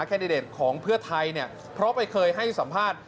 แค่ในเดชน์ของเพื่อไทยเพราะเคยให้สัมภาษณ์